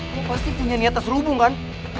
dia pasti punya niat terserubung kan